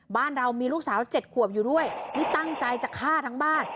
บ้านเรามีลูกสาว๗ขวบอยู่ด้วยนี่ตั้งใจจะฆ่าทั้งบ้าน